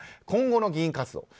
今後の議員活動。